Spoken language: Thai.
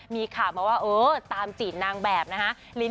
มีข่าวมาว่าเออตามจีบนางแบบนะฮะ